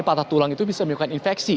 patah tulang itu bisa menyebabkan infeksi